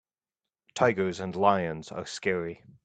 Tigers and lions are scary.